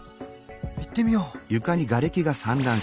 行ってみよう。